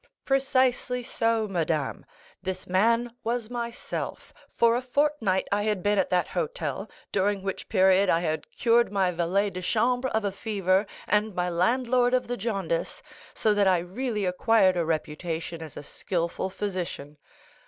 "Precisely so, madame; this man was myself; for a fortnight I had been at that hotel, during which period I had cured my valet de chambre of a fever, and my landlord of the jaundice, so that I really acquired a reputation as a skilful physician.